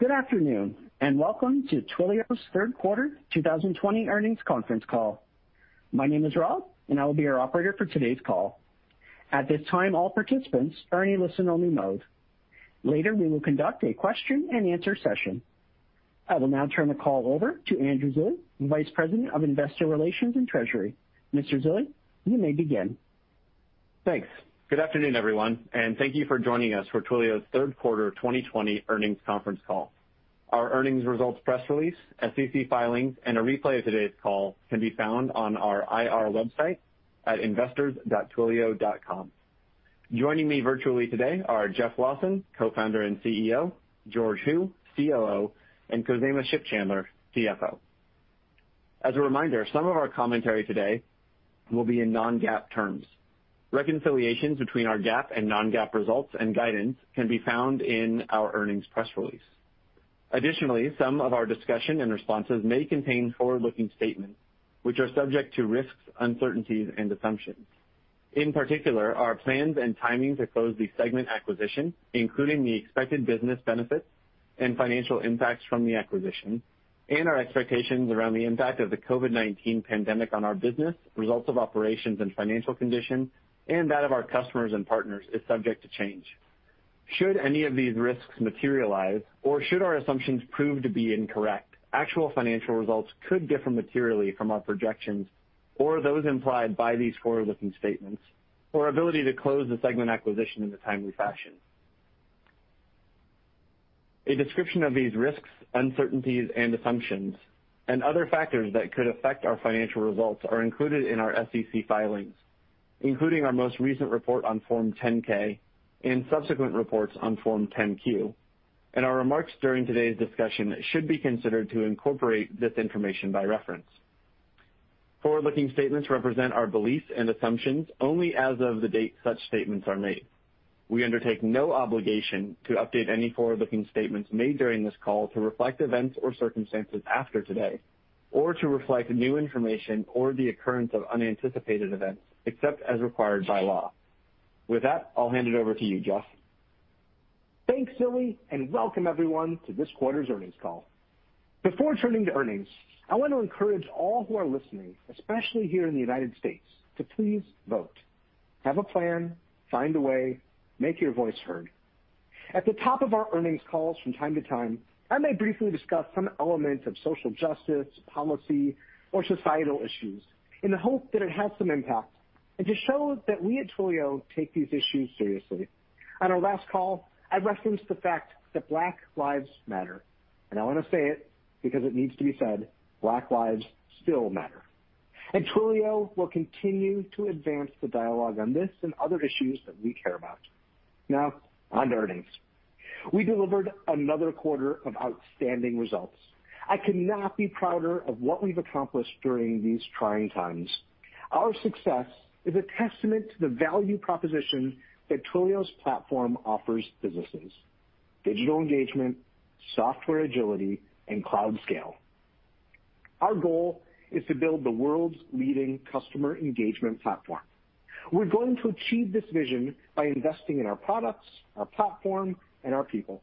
Good afternoon, and welcome to Twilio's third quarter 2020 earnings conference call. My name is Rob, and I will be your operator for today's call. At this time, all participants are in listen-only mode. Later, we will conduct a question-and-answer session. I will now turn the call over to Andrew Zilli, Vice President of Investor Relations and Treasurer. Mr. Zilli, you may begin. Thanks. Good afternoon, everyone, and thank you for joining us for Twilio's third quarter 2020 earnings conference call. Our earnings results press release, SEC filings, and a replay of today's call can be found on our IR website at investors.twilio.com. Joining me virtually today are Jeff Lawson, Co-Founder and CEO, George Hu, COO, and Khozema Shipchandler, CFO. As a reminder, some of our commentary today will be in non-GAAP terms. Reconciliations between our GAAP and non-GAAP results and guidance can be found in our earnings press release. Additionally, some of our discussion and responses may contain forward-looking statements which are subject to risks, uncertainties, and assumptions. In particular, our plans and timing to close the Segment acquisition, including the expected business benefits and financial impacts from the acquisition, and our expectations around the impact of the COVID-19 pandemic on our business, results of operations, and financial condition, and that of our customers and partners is subject to change. Should any of these risks materialize, or should our assumptions prove to be incorrect, actual financial results could differ materially from our projections or those implied by these forward-looking statements, or our ability to close the Segment acquisition in a timely fashion. A description of these risks, uncertainties, and assumptions and other factors that could affect our financial results are included in our SEC filings, including our most recent report on Form 10-K and subsequent reports on Form 10-Q, and our remarks during today's discussion should be considered to incorporate this information by reference. Forward-looking statements represent our beliefs and assumptions only as of the date such statements are made. We undertake no obligation to update any forward-looking statements made during this call to reflect events or circumstances after today or to reflect new information or the occurrence of unanticipated events, except as required by law. With that, I'll hand it over to you, Jeff. Thanks, Zilli. Welcome everyone to this quarter's earnings call. Before turning to earnings, I want to encourage all who are listening, especially here in the U.S., to please vote. Have a plan, find a way, make your voice heard. At the top of our earnings calls from time to time, I may briefly discuss some elements of social justice, policy, or societal issues in the hope that it has some impact and to show that we at Twilio take these issues seriously. On our last call, I referenced the fact that Black lives matter, and I want to say it because it needs to be said, Black lives still matter. Twilio will continue to advance the dialogue on this and other issues that we care about. Now, on to earnings. We delivered another quarter of outstanding results. I could not be prouder of what we've accomplished during these trying times. Our success is a testament to the value proposition that Twilio's platform offers businesses: digital engagement, software agility, and cloud scale. Our goal is to build the world's leading customer engagement platform. We're going to achieve this vision by investing in our products, our platform, and our people.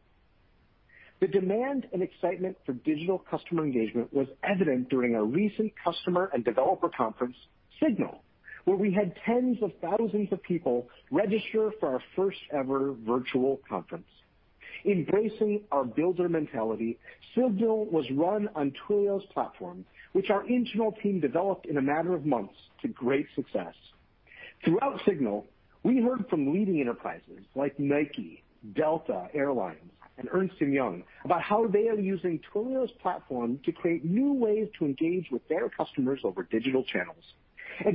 The demand and excitement for digital customer engagement was evident during our recent customer and developer conference, SIGNAL, where we had tens of thousands of people register for our first-ever virtual conference. Embracing our builder mentality, SIGNAL was run on Twilio's platform, which our internal team developed in a matter of months to great success. Throughout SIGNAL, we heard from leading enterprises like Nike, Delta Air Lines, and Ernst & Young about how they are using Twilio's platform to create new ways to engage with their customers over digital channels.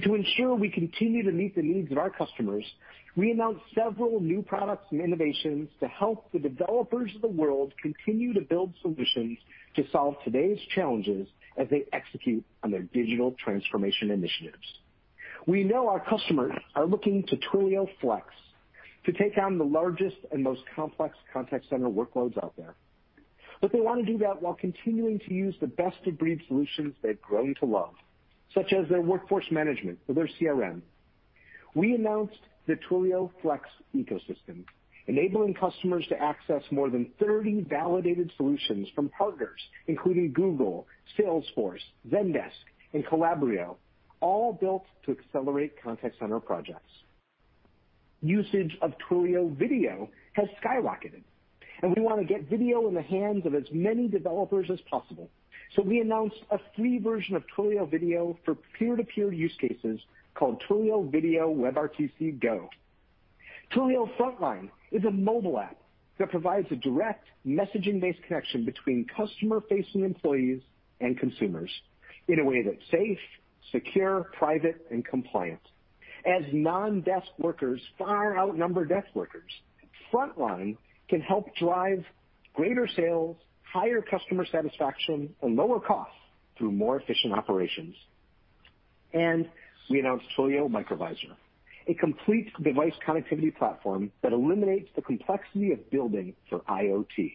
To ensure we continue to meet the needs of our customers, we announced several new products and innovations to help the developers of the world continue to build solutions to solve today's challenges as they execute on their digital transformation initiatives. We know our customers are looking to Twilio Flex to take on the largest and most complex contact center workloads out there. They want to do that while continuing to use the best-of-breed solutions they've grown to love, such as their workforce management or their CRM. We announced the Twilio Flex ecosystem, enabling customers to access more than 30 validated solutions from partners, including Google, Salesforce, Zendesk, and Calabrio, all built to accelerate contact center projects. Usage of Twilio Video has skyrocketed, and we want to get video in the hands of as many developers as possible. We announced a free version of Twilio Video for peer-to-peer use cases called Twilio Video WebRTC Go. Twilio Frontline is a mobile app that provides a direct messaging-based connection between customer-facing employees and consumers in a way that's safe, secure, private, and compliant. As non-desk workers far outnumber desk workers, Frontline can help drive greater sales, higher customer satisfaction, and lower costs through more efficient operations. We announced Twilio Microvisor, a complete device connectivity platform that eliminates the complexity of building for IoT.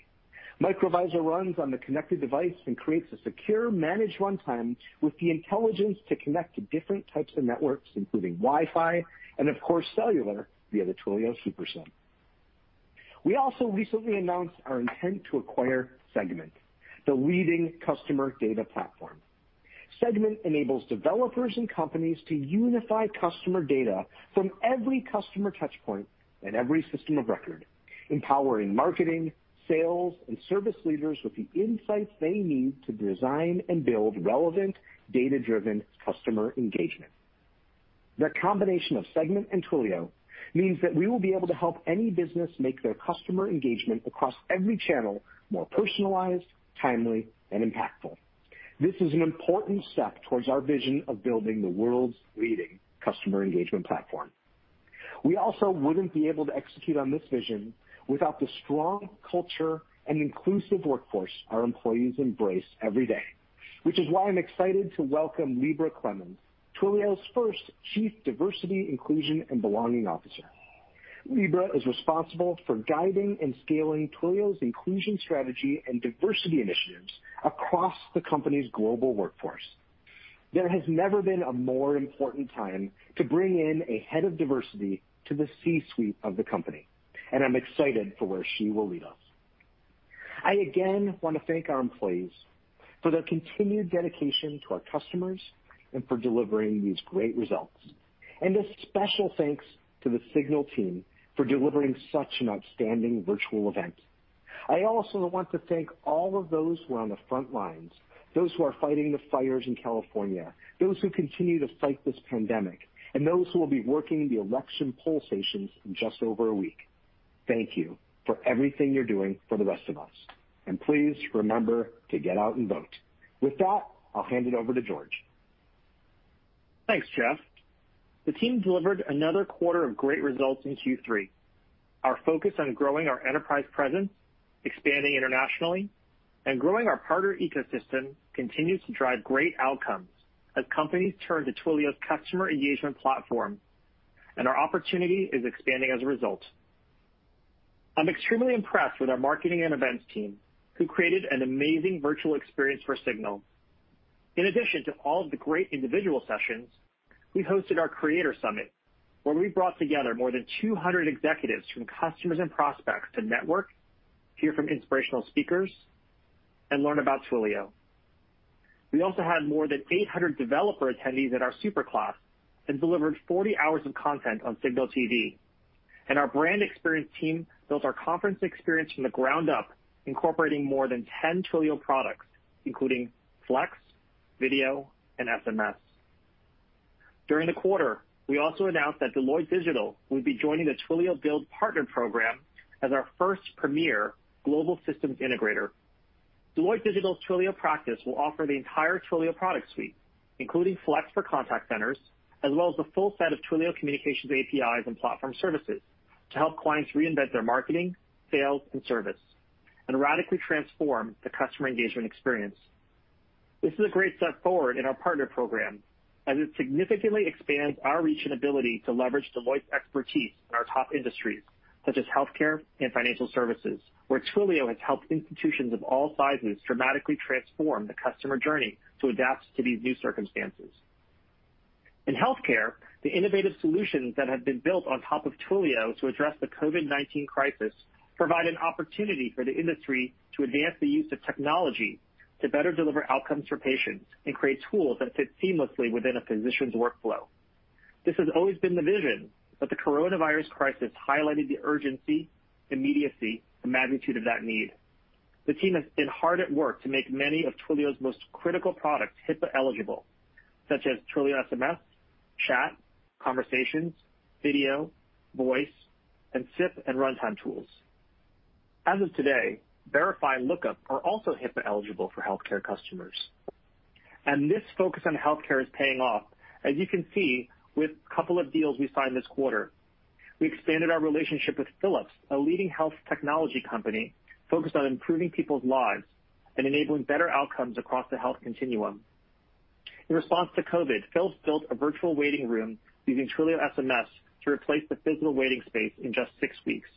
Microvisor runs on the connected device and creates a secure managed runtime with the intelligence to connect to different types of networks, including Wi-Fi and, of course, cellular via the Twilio Super SIM. We also recently announced our intent to acquire Segment, the leading customer data platform. Segment enables developers and companies to unify customer data from every customer touch point and every system of record, empowering marketing, sales, and service leaders with the insights they need to design and build relevant, data-driven customer engagement. The combination of Segment and Twilio means that we will be able to help any business make their customer engagement across every channel more personalized, timely, and impactful. This is an important step towards our vision of building the world's leading customer engagement platform. We also wouldn't be able to execute on this vision without the strong culture and inclusive workforce our employees embrace every day, which is why I'm excited to welcome Lybra Clemons, Twilio's first Chief Diversity, Inclusion, and Belonging Officer. Lybra is responsible for guiding and scaling Twilio's inclusion strategy and diversity initiatives across the company's global workforce. There has never been a more important time to bring in a head of diversity to the C-suite of the company, and I'm excited for where she will lead us. I again want to thank our employees for their continued dedication to our customers and for delivering these great results. A special thanks to the SIGNAL team for delivering such an outstanding virtual event. I also want to thank all of those who are on the front lines, those who are fighting the fires in California, those who continue to fight this pandemic, and those who will be working the election poll stations in just over a week. Thank you for everything you're doing for the rest of us, and please remember to get out and vote. With that, I'll hand it over to George. Thanks, Jeff. The team delivered another quarter of great results in Q3. Our focus on growing our enterprise presence, expanding internationally, and growing our partner ecosystem continues to drive great outcomes as companies turn to Twilio's customer engagement platform, and our opportunity is expanding as a result. I'm extremely impressed with our marketing and events team, who created an amazing virtual experience for SIGNAL. In addition to all of the great individual sessions, we hosted our Creator Summit, where we brought together more than 200 executives from customers and prospects to network, hear from inspirational speakers, and learn about Twilio. We also had more than 800 developer attendees at our Superclass and delivered 40 hours of content on SIGNAL TV. Our brand experience team built our conference experience from the ground up, incorporating more than 10 Twilio products, including Flex, Video, and SMS. During the quarter, we also announced that Deloitte Digital will be joining the Twilio Build Partner program as our first premier global systems integrator. Deloitte Digital's Twilio practice will offer the entire Twilio product suite, including Flex for contact centers, as well as the full set of Twilio communications APIs and platform services to help clients reinvent their marketing, sales, and service and radically transform the customer engagement experience. This is a great step forward in our partner program, as it significantly expands our reach and ability to leverage Deloitte's expertise in our top industries, such as healthcare and financial services, where Twilio has helped institutions of all sizes dramatically transform the customer journey to adapt to these new circumstances. In healthcare, the innovative solutions that have been built on top of Twilio to address the COVID-19 crisis provide an opportunity for the industry to advance the use of technology to better deliver outcomes for patients and create tools that fit seamlessly within a physician's workflow. This has always been the vision, but the coronavirus crisis highlighted the urgency, immediacy, and magnitude of that need. The team has been hard at work to make many of Twilio's most critical products HIPAA eligible, such as Twilio SMS, chat, Conversations, Video, voice, and SIP and runtime tools. As of today, Verify and Lookup are also HIPAA eligible for healthcare customers. This focus on healthcare is paying off, as you can see with a couple of deals we signed this quarter. We expanded our relationship with Philips, a leading health technology company focused on improving people's lives and enabling better outcomes across the health continuum. In response to COVID-19, Philips built a virtual waiting room using Twilio SMS to replace the physical waiting space in just six weeks.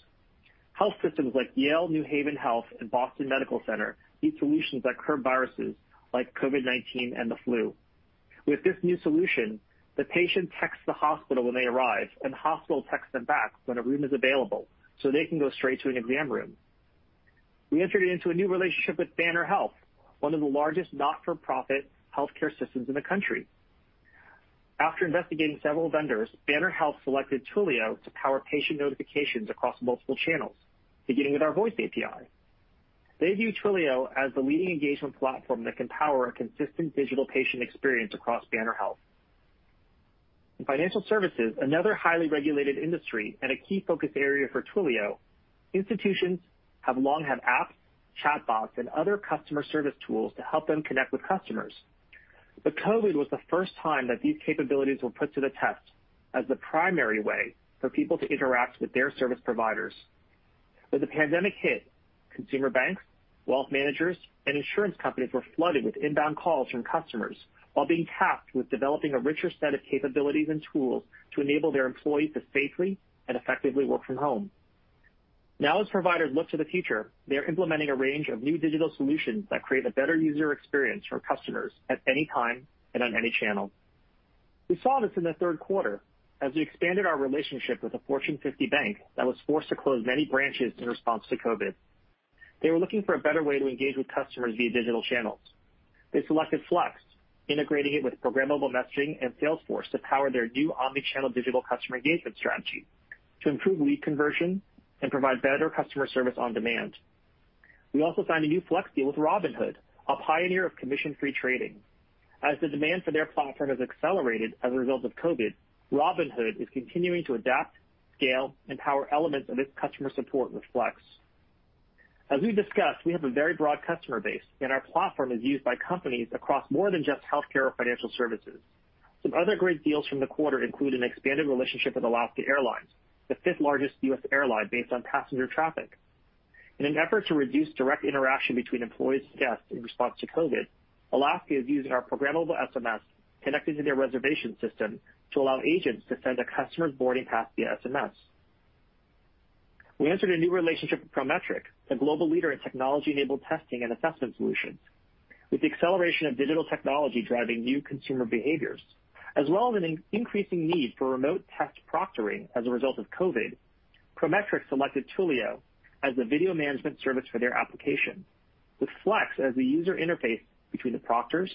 Health systems like Yale New Haven Health and Boston Medical Center need solutions that curb viruses like COVID-19 and the flu. With this new solution, the patient texts the hospital when they arrive, and the hospital texts them back when a room is available, so they can go straight to an exam room. We entered into a new relationship with Banner Health, one of the largest not-for-profit healthcare systems in the country. After investigating several vendors, Banner Health selected Twilio to power patient notifications across multiple channels, beginning with our voice API. They view Twilio as the leading engagement platform that can power a consistent digital patient experience across Banner Health. In financial services, another highly regulated industry and a key focus area for Twilio, institutions have long had apps, chatbots, and other customer service tools to help them connect with customers. COVID was the first time that these capabilities were put to the test as the primary way for people to interact with their service providers. When the pandemic hit, consumer banks, wealth managers, and insurance companies were flooded with inbound calls from customers while being tasked with developing a richer set of capabilities and tools to enable their employees to safely and effectively work from home. Now as providers look to the future, they are implementing a range of new digital solutions that create a better user experience for customers at any time and on any channel. We saw this in the third quarter as we expanded our relationship with a Fortune 50 bank that was forced to close many branches in response to COVID. They were looking for a better way to engage with customers via digital channels. They selected Flex, integrating it with programmable messaging and Salesforce to power their new omni-channel digital customer engagement strategy to improve lead conversion and provide better customer service on demand. We also signed a new Flex deal with Robinhood, a pioneer of commission-free trading. As the demand for their platform has accelerated as a result of COVID, Robinhood is continuing to adapt, scale, and power elements of its customer support with Flex. As we discussed, we have a very broad customer base, and our platform is used by companies across more than just healthcare or financial services. Some other great deals from the quarter include an expanded relationship with Alaska Airlines, the fifth largest U.S. airline based on passenger traffic. In an effort to reduce direct interaction between employees and guests in response to COVID, Alaska is using our programmable SMS connected to their reservation system to allow agents to send a customer's boarding pass via SMS. We entered a new relationship with Prometric, a global leader in technology-enabled testing and assessment solutions. With the acceleration of digital technology driving new consumer behaviors, as well as an increasing need for remote test proctoring as a result of COVID, Prometric selected Twilio as the video management service for their application, with Flex as the user interface between the proctors,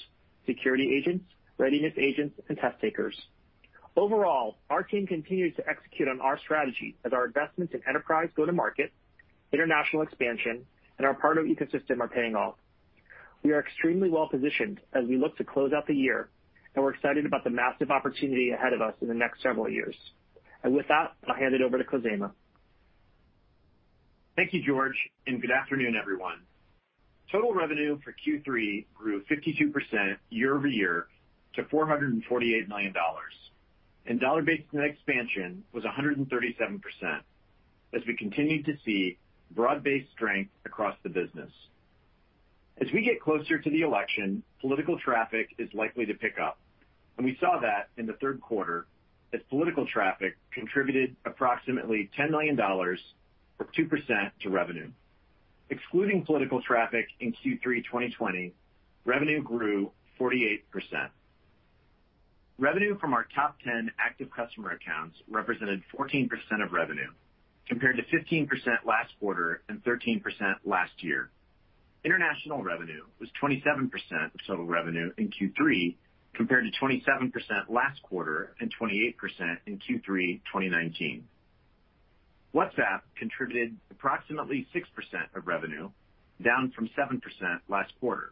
security agents, readiness agents, and test takers. Overall, our team continues to execute on our strategy as our investments in enterprise go to market, international expansion, and our partner ecosystem are paying off. We are extremely well-positioned as we look to close out the year, and we're excited about the massive opportunity ahead of us in the next several years. With that, I'll hand it over to Khozema. Thank you, George, and good afternoon, everyone. Total revenue for Q3 grew 52% year-over-year to $448 million, dollar-based net expansion was 137% as we continued to see broad-based strength across the business. As we get closer to the election, political traffic is likely to pick up, we saw that in the third quarter that political traffic contributed approximately $10 million, or 2%, to revenue. Excluding political traffic in Q3 2020, revenue grew 48%. Revenue from our top 10 active customer accounts represented 14% of revenue, compared to 15% last quarter and 13% last year. International revenue was 27% of total revenue in Q3, compared to 27% last quarter and 28% in Q3 2019. WhatsApp contributed approximately 6% of revenue, down from 7% last quarter.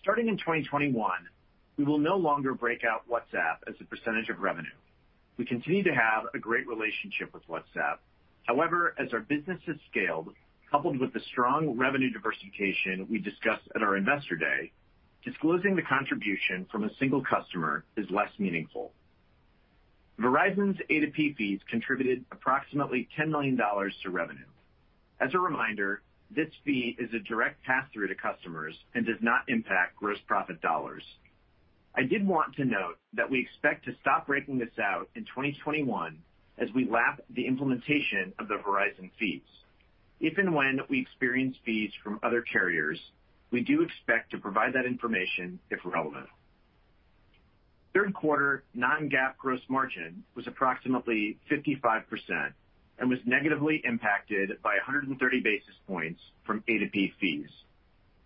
Starting in 2021, we will no longer break out WhatsApp as a percentage of revenue. We continue to have a great relationship with WhatsApp. As our business has scaled, coupled with the strong revenue diversification we discussed at our Investor Day, disclosing the contribution from a single customer is less meaningful. Verizon's A2P fees contributed approximately $10 million to revenue. As a reminder, this fee is a direct pass-through to customers and does not impact gross profit dollars. I did want to note that we expect to stop breaking this out in 2021 as we lap the implementation of the Verizon fees. If and when we experience fees from other carriers, we do expect to provide that information if relevant. Third quarter non-GAAP gross margin was approximately 55% and was negatively impacted by 130 basis points from A2P fees.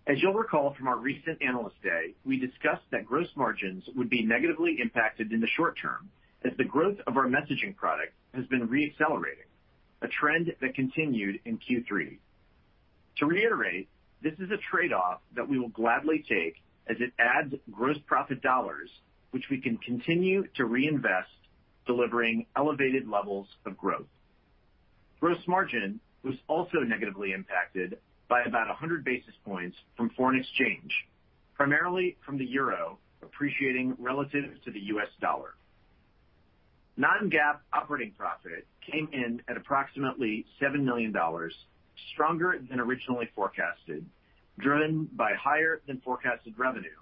As you'll recall from our recent Analyst Day, we discussed that gross margins would be negatively impacted in the short term as the growth of our messaging product has been re-accelerating, a trend that continued in Q3. To reiterate, this is a trade-off that we will gladly take as it adds gross profit dollars, which we can continue to reinvest, delivering elevated levels of growth. Gross margin was also negatively impacted by about 100 basis points from foreign exchange, primarily from the euro appreciating relative to the US dollar. Non-GAAP operating profit came in at approximately $7 million, stronger than originally forecasted, driven by higher than forecasted revenue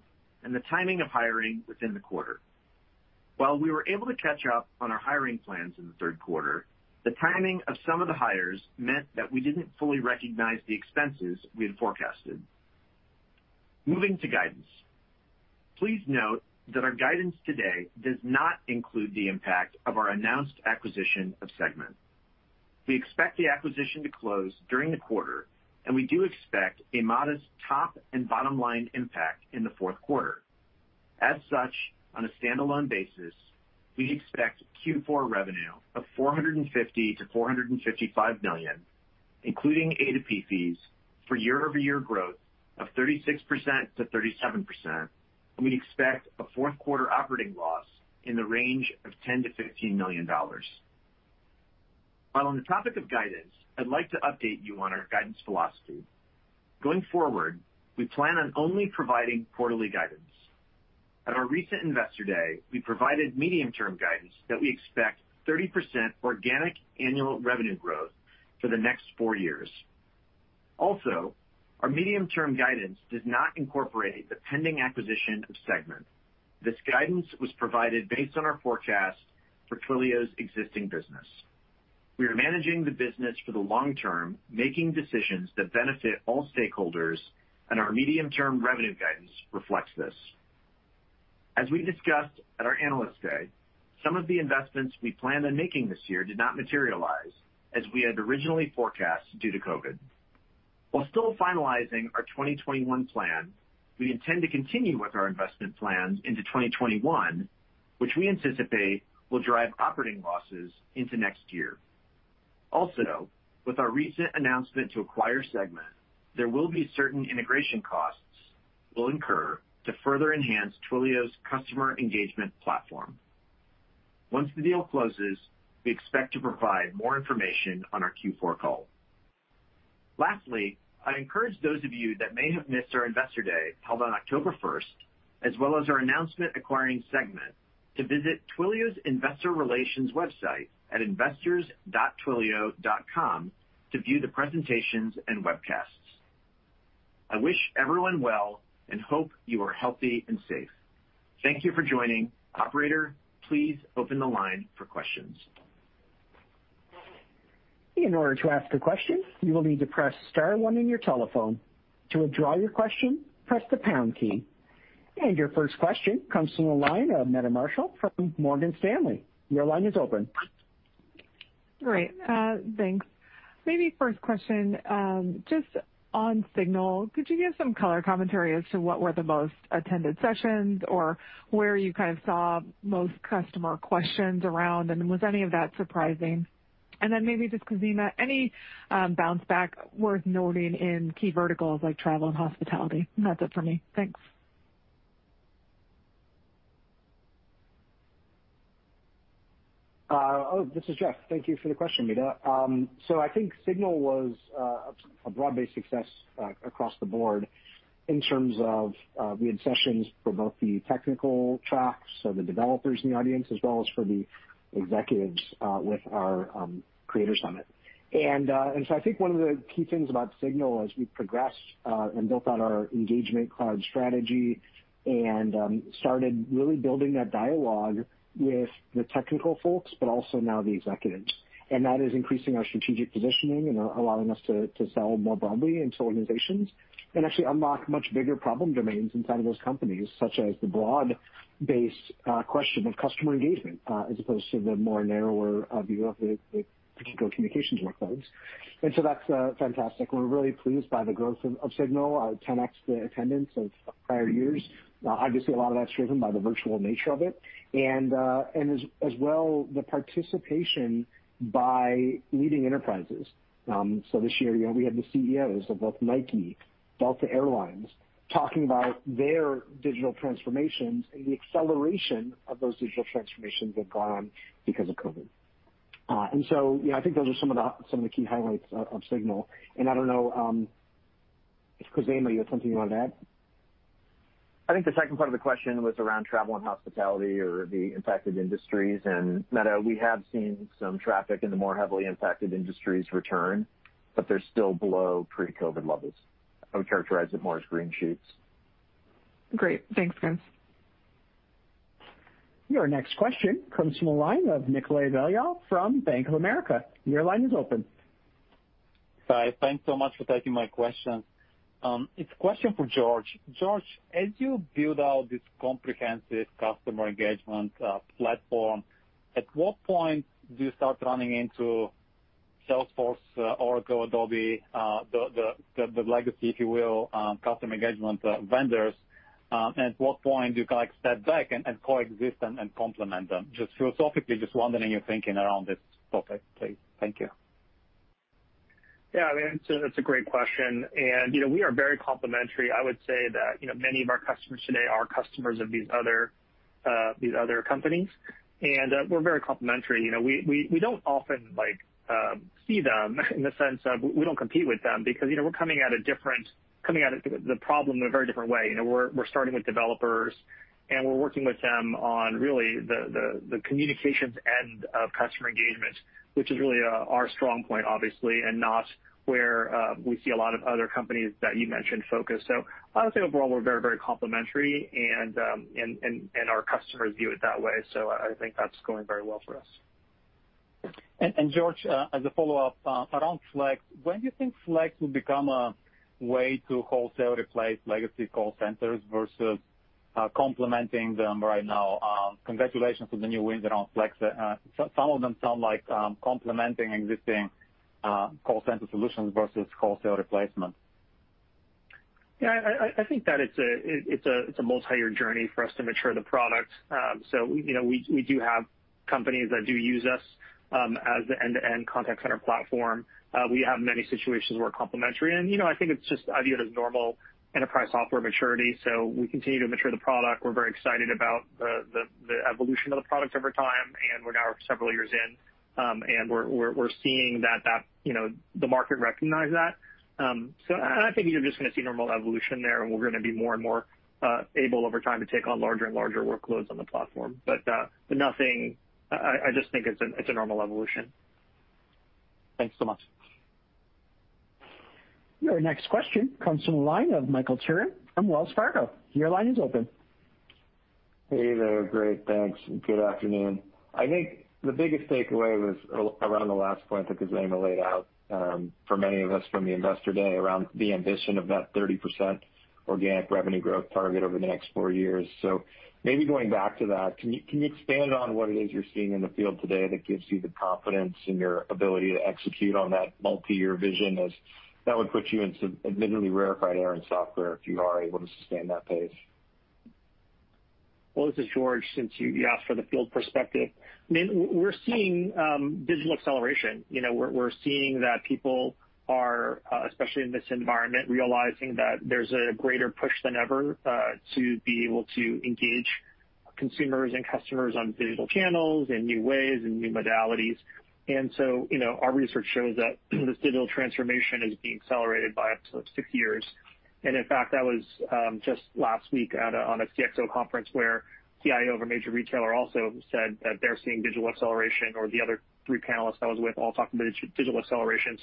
and the timing of hiring within the quarter. While we were able to catch up on our hiring plans in the third quarter, the timing of some of the hires meant that we didn't fully recognize the expenses we had forecasted. Moving to guidance. Please note that our guidance today does not include the impact of our announced acquisition of Segment. We expect the acquisition to close during the quarter, and we do expect a modest top and bottom-line impact in the fourth quarter. As such, on a standalone basis, we expect Q4 revenue of $450 million-$455 million, including A2P fees, for year-over-year growth of 36%-37%, and we expect a fourth quarter operating loss in the range of $10 million-$15 million. While on the topic of guidance, I'd like to update you on our guidance philosophy. Going forward, we plan on only providing quarterly guidance. At our recent Investor Day, we provided medium-term guidance that we expect 30% organic annual revenue growth for the next four years. Our medium-term guidance does not incorporate the pending acquisition of Segment. This guidance was provided based on our forecast for Twilio's existing business. We are managing the business for the long term, making decisions that benefit all stakeholders, and our medium-term revenue guidance reflects this. As we discussed at our Analyst Day, some of the investments we planned on making this year did not materialize as we had originally forecast due to COVID-19. While still finalizing our 2021 plan, we intend to continue with our investment plans into 2021, which we anticipate will drive operating losses into next year. Also, with our recent announcement to acquire Segment, there will be certain integration costs we'll incur to further enhance Twilio's customer engagement platform. Once the deal closes, we expect to provide more information on our Q4 call. Lastly, I encourage those of you that may have missed our Investor Day, held on October 1st, as well as our announcement acquiring Segment, to visit Twilio's investor relations website at investors.twilio.com to view the presentations and webcasts. I wish everyone well and hope you are healthy and safe. Thank you for joining. Operator, please open the line for questions. In order to ask a question, you will need to press star one in your telephone. To withdraw your question, press the pound key. Your first question comes from the line of Meta Marshall from Morgan Stanley. Great. Thanks. Maybe first question, just on SIGNAL, could you give some color commentary as to what were the most attended sessions or where you kind of saw most customer questions around, and was any of that surprising? Maybe just, Khozema, any bounce back worth noting in key verticals like travel and hospitality? That's it for me. Thanks. This is Jeff. Thank you for the question, Meta. I think SIGNAL was a broad-based success across the board in terms of, we had sessions for both the technical tracks, so the developers in the audience, as well as for the executives with our Creator Summit. I think one of the key things about SIGNAL as we progressed and built out our Engagement Cloud strategy and started really building that dialogue with the technical folks, but also now the executives. That is increasing our strategic positioning and allowing us to sell more broadly into organizations and actually unlock much bigger problem domains inside of those companies, such as the broad-based question of customer engagement, as opposed to the narrower view of the particular communications workloads. That's fantastic. We're really pleased by the growth of SIGNAL, our 10x the attendance of prior years. Obviously, a lot of that's driven by the virtual nature of it and as well, the participation by leading enterprises. This year, we had the CEOs of both Nike, Delta Air Lines, talking about their digital transformations and the acceleration of those digital transformations have gone because of COVID-19. Yeah, I think those are some of the key highlights of SIGNAL. I don't know, Khozema, you have something you want to add? I think the second part of the question was around travel and hospitality or the impacted industries. Meta, we have seen some traffic in the more heavily impacted industries return, but they're still below pre-COVID levels. I would characterize it more as green shoots. Great. Thanks, guys. Your next question comes from the line of Nikolay Beliov from Bank of America. Your line is open. Hi. Thanks so much for taking my question. It's a question for George. George, as you build out this comprehensive customer engagement platform, at what point do you start running into Salesforce, Oracle, Adobe, the legacy, if you will, customer engagement vendors? At what point do you kind of step back and coexist and complement them? Just philosophically, just wondering your thinking around this topic, please. Thank you. That's a great question, and we are very complementary. I would say that many of our customers today are customers of these other companies, and we're very complementary. We don't often see them in the sense of we don't compete with them because we're coming at the problem in a very different way. We're starting with developers, and we're working with them on really the communications end of customer engagement, which is really our strong point, obviously, and not where we see a lot of other companies that you mentioned focus. I would say overall, we're very, very complementary, and our customers view it that way. I think that's going very well for us. George, as a follow-up, around Flex, when do you think Flex will become a way to wholesale replace legacy call centers versus complementing them right now? Congratulations on the new wins around Flex. Some of them sound like complementing existing call center solutions versus wholesale replacement. Yeah, I think that it's a multi-year journey for us to mature the product. We do have companies that do use us as the end-to-end contact center platform. We have many situations where we're complementary, and I think it's just viewed as normal enterprise software maturity. We continue to mature the product. We're very excited about the evolution of the product over time, and we're now several years in, and we're seeing the market recognize that. I think you're just going to see normal evolution there, and we're going to be more and more able over time to take on larger and larger workloads on the platform. I just think it's a normal evolution. Thanks so much. Your next question comes from the line of Michael Turrin from Wells Fargo. Hey there. Great. Thanks. Good afternoon. I think the biggest takeaway was around the last point that Khozema laid out, for many of us from the investor day around the ambition of that 30% organic revenue growth target over the next four years. Maybe going back to that, can you expand on what it is you're seeing in the field today that gives you the confidence in your ability to execute on that multi-year vision, as that would put you in some admittedly rarefied air in software if you are able to sustain that pace? Well, this is George, since you asked for the field perspective. I mean, we're seeing digital acceleration. We're seeing that people are, especially in this environment, realizing that there's a greater push than ever to be able to engage consumers and customers on digital channels in new ways and new modalities. Our research shows that this digital transformation is being accelerated by up to six years. In fact, I was just last week on a CXO conference where CIO of a major retailer also said that they're seeing digital acceleration, or the other three panelists I was with all talking about digital acceleration.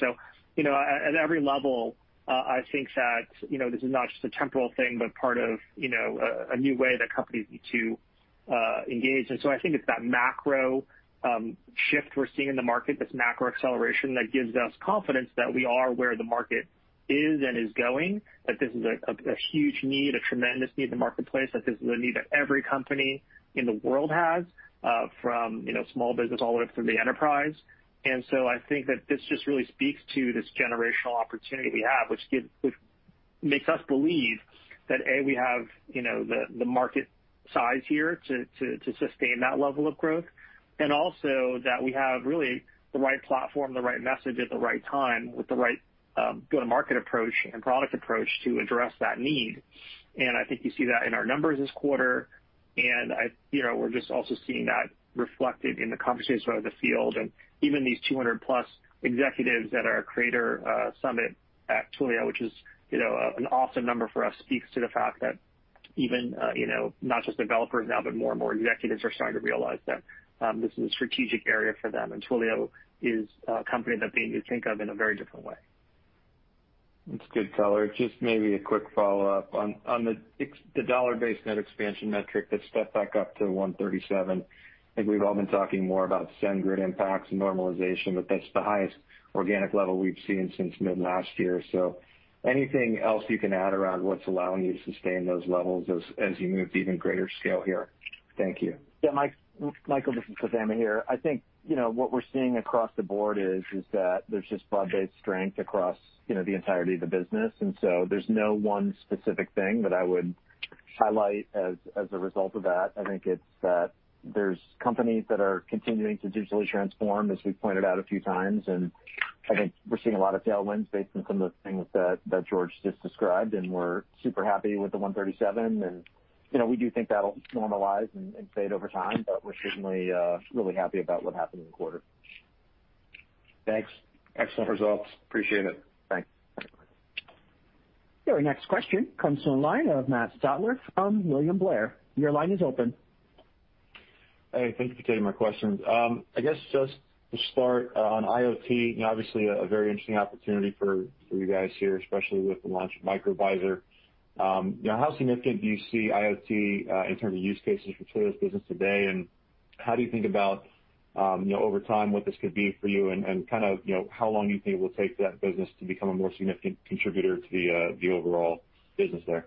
At every level, I think that this is not just a temporal thing, but part of a new way that companies need to engage. I think it's that macro shift we're seeing in the market, this macro acceleration that gives us confidence that we are where the market is and is going, that this is a huge need, a tremendous need in the marketplace, that this is a need that every company in the world has, from small business all the way through the enterprise. I think that this just really speaks to this generational opportunity we have, which makes us believe that, A, we have the market size here to sustain that level of growth, and also that we have really the right platform, the right message at the right time with the right go-to-market approach and product approach to address that need. I think you see that in our numbers this quarter, and we're just also seeing that reflected in the conversations throughout the field and even these 200+ executives at our Creator Summit at Twilio, which is an awesome number for us, speaks to the fact that even, not just developers now, but more and more executives are starting to realize that this is a strategic area for them. Twilio is a company they need to think of in a very different way. That's good color. Just maybe a quick follow-up. On the Dollar-Based Net Expansion metric that stepped back up to 137, I think we've all been talking more about SendGrid impacts and normalization, but that's the highest organic level we've seen since mid last year. Anything else you can add around what's allowing you to sustain those levels as you move to even greater scale here? Thank you. Yeah, Michael, this is Khozema here. I think what we're seeing across the board is that there's just broad-based strength across the entirety of the business. There's no one specific thing that I would highlight as a result of that. I think it's that there's companies that are continuing to digitally transform, as we've pointed out a few times, we're seeing a lot of tailwinds based on some of the things that George just described, we're super happy with the 137. We do think that'll normalize and fade over time, but we're certainly really happy about what happened in the quarter. Thanks. Excellent results. Appreciate it. Thanks. Your next question comes from the line of Matt Stotler from William Blair. Hey, thank you for taking my questions. I guess just to start on IoT, obviously a very interesting opportunity for you guys here, especially with the launch of Microvisor. How significant do you see IoT, in terms of use cases for Twilio's business today, and how do you think about, over time, what this could be for you and, kind of, how long you think it will take for that business to become a more significant contributor to the overall business there?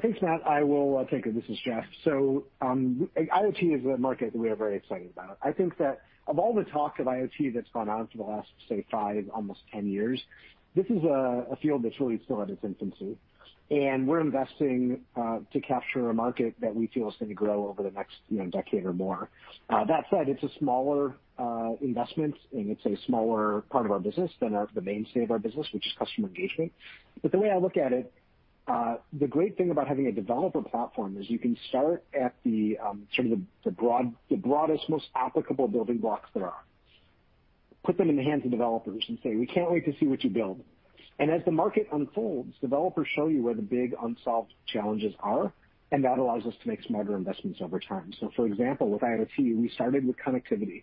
Thanks, Matt. I will take it. This is Jeff. IoT is a market that we are very excited about. I think that of all the talk of IoT that's gone on for the last, say, five, almost 10 years, this is a field that's really still at its infancy. We're investing to capture a market that we feel is going to grow over the next decade or more. That said, it's a smaller investment, and it's a smaller part of our business than the mainstay of our business, which is customer engagement. The way I look at it, the great thing about having a developer platform is you can start at the broadest, most applicable building blocks there are. Put them in the hands of developers and say, "We can't wait to see what you build." As the market unfolds, developers show you where the big unsolved challenges are, and that allows us to make smarter investments over time. For example, with IoT, we started with connectivity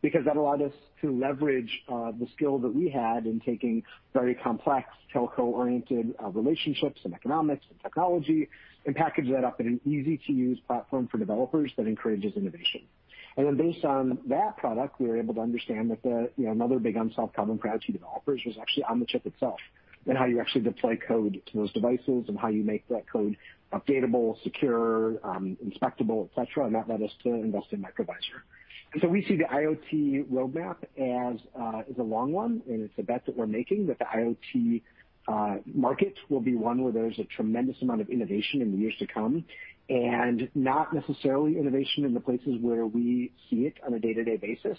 because that allowed us to leverage the skill that we had in taking very complex telco-oriented relationships and economics and technology and package that up in an easy-to-use platform for developers that encourages innovation. Based on that product, we were able to understand that another big unsolved problem for IoT developers was actually on the chip itself, and how you actually deploy code to those devices, and how you make that code updatable, secure, inspectable, et cetera, and that led us to invest in Microvisor. We see the IoT roadmap as a long one, and it's a bet that we're making, that the IoT market will be one where there's a tremendous amount of innovation in the years to come, and not necessarily innovation in the places where we see it on a day-to-day basis.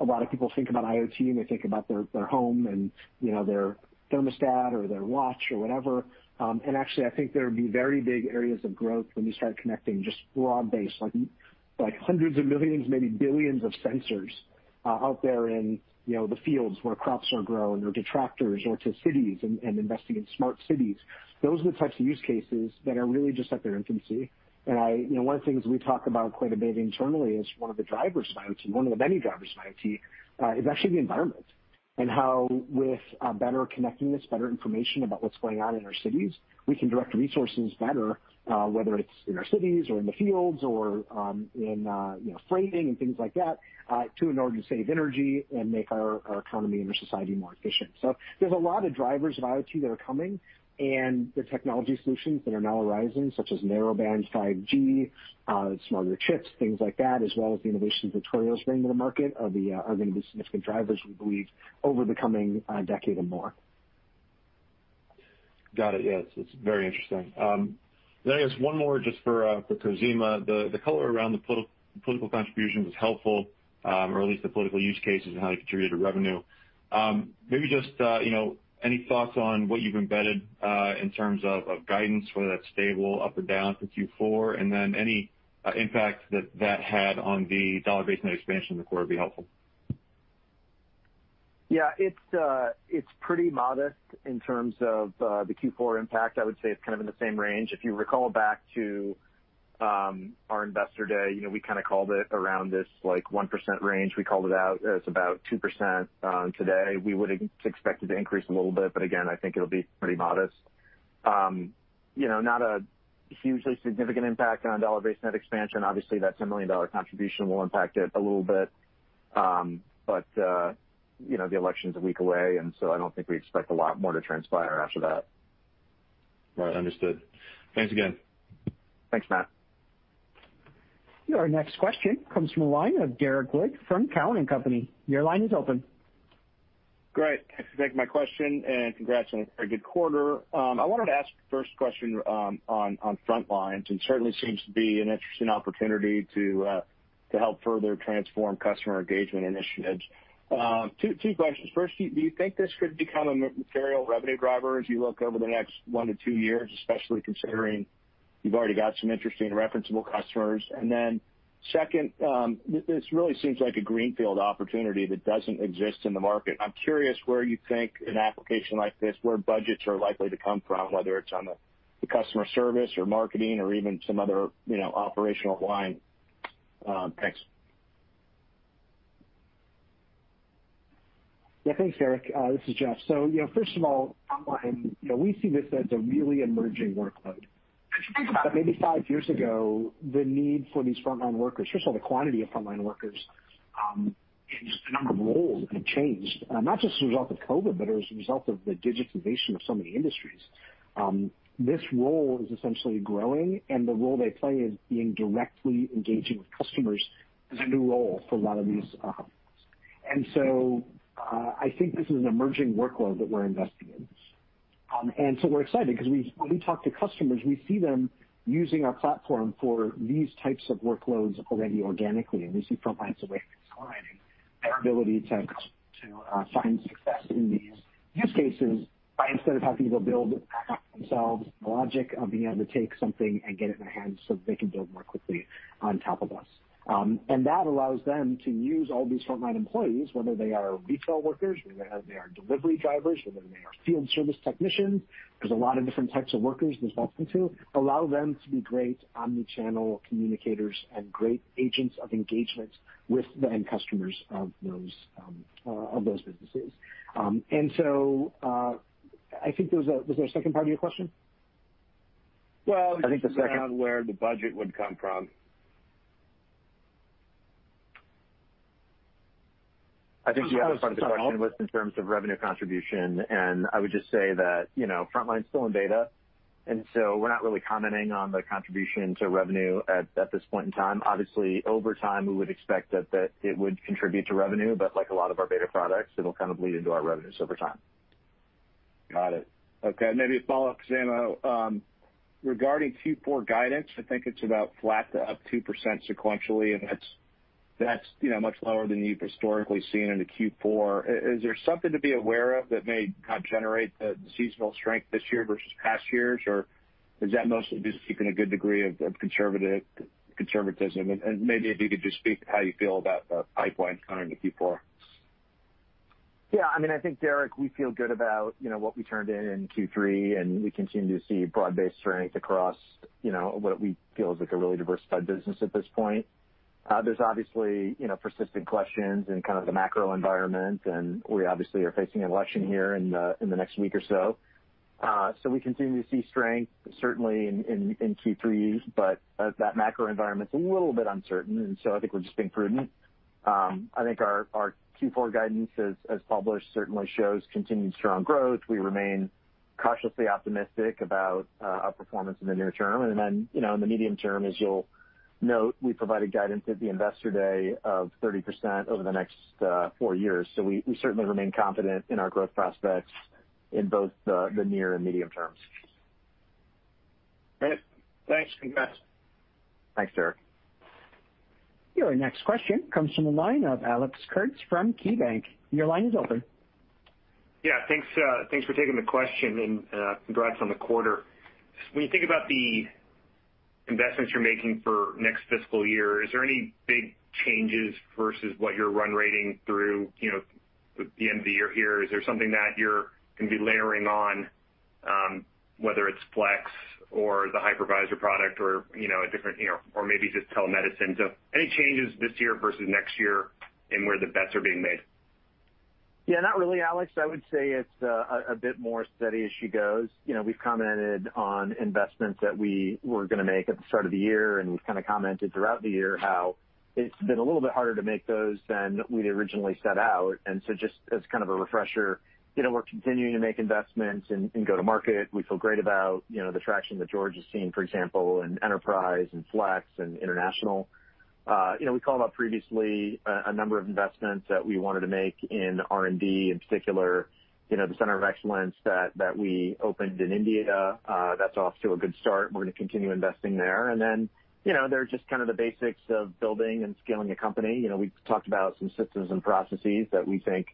A lot of people think about IoT, and they think about their home and their thermostat or their watch or whatever. Actually, I think there would be very big areas of growth when you start connecting just broad-based, like hundreds of millions, maybe billions of sensors out there in the fields where crops are grown or to tractors or to cities and investing in smart cities. Those are the types of use cases that are really just at their infancy. One of the things we talk about quite a bit internally is one of the drivers of IoT, one of the many drivers of IoT, is actually the environment. How with better connectedness, better information about what's going on in our cities, we can direct resources better, whether it's in our cities or in the fields or in freighting and things like that, in order to save energy and make our economy and our society more efficient. There's a lot of drivers of IoT that are coming, and the technology solutions that are now arising, such as narrowband 5G, smarter chips, things like that, as well as the innovations that Twilio's bringing to the market, are going to be significant drivers, we believe, over the coming decade or more. Got it. Yeah. It's very interesting. I guess one more just for Khozema. The color around the political contributions is helpful, or at least the political use cases and how they contributed to revenue. Maybe just any thoughts on what you've embedded, in terms of guidance, whether that's stable, up or down for Q4, and then any impact that that had on the Dollar-Based Net Expansion would be helpful. Yeah. It's pretty modest in terms of the Q4 impact. I would say it's kind of in the same range. If you recall back to our investor day, we kind of called it around this 1% range. We called it out as about 2% today. We would expect it to increase a little bit, but again, I think it'll be pretty modest. Not a hugely significant impact on Dollar-Based Net Expansion. Obviously, that $10 million contribution will impact it a little bit. The election's a week away, and so I don't think we expect a lot more to transpire after that. Right. Understood. Thanks again. Thanks, Matt. Your next question comes from the line of Derrick Wood from Cowen and Company. Your line is open. Great. Thanks for taking my question and congrats on a very good quarter. I wanted to ask the first question on Frontline. It certainly seems to be an interesting opportunity to help further transform customer engagement initiatives. Two questions. First, do you think this could become a material revenue driver as you look over the next one to two years, especially considering you've already got some interesting referenceable customers? Second, this really seems like a greenfield opportunity that doesn't exist in the market. I'm curious where you think an application like this, where budgets are likely to come from, whether it's on the customer service or marketing or even some other operational line. Thanks. Yeah. Thanks, Derrick. This is Jeff. First of all, Frontline, we see this as a really emerging workload. If you think about it, maybe five years ago, the need for these frontline workers, first of all, the quantity of frontline workers and just the number of roles have changed. Not just as a result of COVID-19, but as a result of the digitization of so many industries. This role is essentially growing, and the role they play as being directly engaging with customers is a new role for a lot of these companies. I think this is an emerging workload that we're investing in. We're excited because when we talk to customers, we see them using our platform for these types of workloads already organically, and we see Frontline as a way of accelerating their ability to find success in these use cases by instead of having to go build the app themselves, the logic of being able to take something and get it in their hands so that they can build more quickly on top of us. That allows them to use all these frontline employees, whether they are retail workers, whether they are delivery drivers, whether they are field service technicians. There's a lot of different types of workers this talks into. Allow them to be great omni-channel communicators and great agents of engagement with the end customers of those businesses. I think, was there a second part to your question? Well. I think the second. Just around where the budget would come from. I think the other part of the question was in terms of revenue contribution. I would just say that Frontline's still in beta, so we're not really commenting on the contribution to revenue at this point in time. Obviously, over time, we would expect that it would contribute to revenue, like a lot of our beta products, it'll kind of bleed into our revenues over time. Got it. Okay. Maybe a follow-up, Khozema. Regarding Q4 guidance, I think it's about flat to up 2% sequentially, that's much lower than you've historically seen in a Q4. Is there something to be aware of that may kind of generate the seasonal strength this year versus past years? Is that mostly just keeping a good degree of conservatism? Maybe if you could just speak to how you feel about the pipeline coming into Q4. I think, Derrick, we feel good about what we turned in in Q3, and we continue to see broad-based strength across what we feel is a really diversified business at this point. There's obviously persisting questions in kind of the macro environment, and we obviously are facing an election here in the next week or so. We continue to see strength, certainly in Q3, but that macro environment's a little bit uncertain, and so I think we're just being prudent. I think our Q4 guidance, as published, certainly shows continued strong growth. We remain cautiously optimistic about outperformance in the near term. In the medium term, as you'll note, we provided guidance at the investor day of 30% over the next four years. We certainly remain confident in our growth prospects in both the near and medium terms. Great. Thanks. Congrats. Thanks, Derrick. Your next question comes from the line of Alex Kurtz from KeyBanc. Your line is open. Yeah. Thanks for taking the question, and congrats on the quarter. When you think about the investments you're making for next fiscal year, is there any big changes versus what you're run-rating through the end of the year here? Is there something that you're going to be layering on? Whether it's Flex or the Microvisor product or maybe just telemedicine. Any changes this year versus next year in where the bets are being made? Not really, Alex. I would say it's a bit more steady as she goes. We've commented on investments that we were going to make at the start of the year, and we've kind of commented throughout the year how it's been a little bit harder to make those than we'd originally set out. Just as kind of a refresher, we're continuing to make investments and go to market. We feel great about the traction that George has seen, for example, in Enterprise and Flex and international. We called out previously a number of investments that we wanted to make in R&D, in particular, the center of excellence that we opened in India. That's off to a good start, and we're going to continue investing there. There are just kind of the basics of building and scaling a company. We've talked about some systems and processes that we think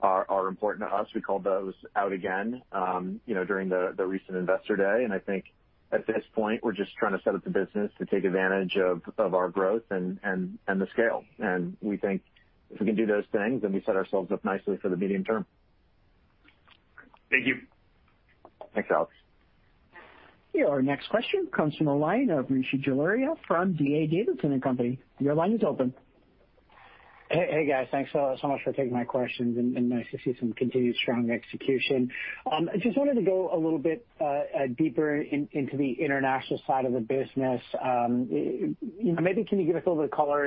are important to us. We called those out again during the recent Investor Day. I think at this point, we're just trying to set up the business to take advantage of our growth and the scale. We think if we can do those things, then we set ourselves up nicely for the medium term. Thank you. Thanks, Alex. Our next question comes from the line of Rishi Jaluria from D.A. Davidson & Company. Your line is open. Hey, guys. Thanks so much for taking my questions and nice to see some continued strong execution. I just wanted to go a little bit deeper into the international side of the business. Maybe can you give us a little bit of color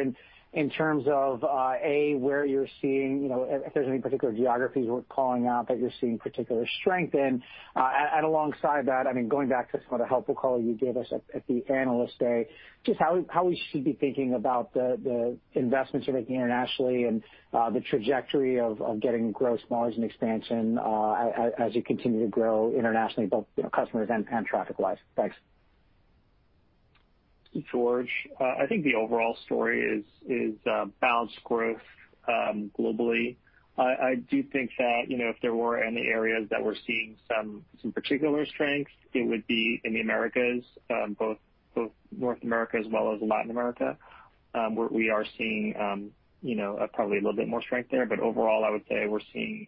in terms of, A, where you're seeing, if there's any particular geographies worth calling out that you're seeing particular strength in? Alongside that, going back to some of the helpful color you gave us at the analyst day, just how we should be thinking about the investments you're making internationally and the trajectory of getting gross margin expansion as you continue to grow internationally, both customers and traffic-wise. Thanks. George, I think the overall story is balanced growth globally. I do think that if there were any areas that we're seeing some particular strength, it would be in the Americas, both North America as well as Latin America, where we are seeing probably a little bit more strength there. Overall, I would say we're seeing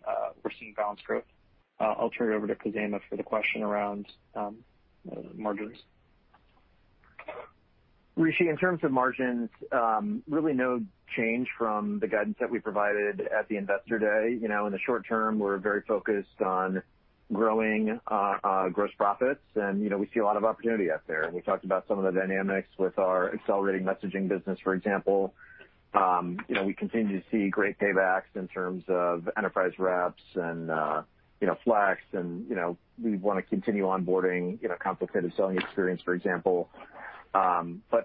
balanced growth. I'll turn it over to Khozema for the question around margins. Rishi, in terms of margins, really no change from the guidance that we provided at the Investor Day. In the short term, we're very focused on growing gross profits, and we see a lot of opportunity out there. We talked about some of the dynamics with our accelerating messaging business, for example. We continue to see great paybacks in terms of enterprise reps and Flex, and we want to continue onboarding complicated selling experience, for example.